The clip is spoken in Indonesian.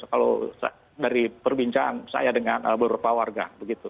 kalau dari perbincangan saya dengan beberapa warga